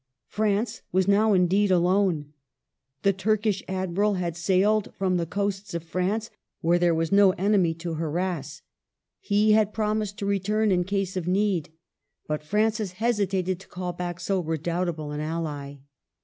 France was now, indeed, alone. The Turkish admiral had sailed from the coasts of France, where there was no enemy to harass. He had promised to return in case of need ; but Francis hesitated to call back so redoubtable an ally.